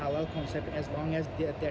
orang orang selalu mengetahui halal